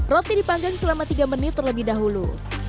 roti dipanggang selama tiga menit terlebih dahulu